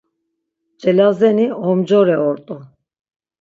Celazeni, Omcore ort̆u.